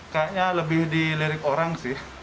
kayaknya lebih di lirik orang sih